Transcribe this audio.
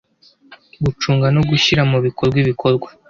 gucunga no gushyira mu bikorwa ibikorwa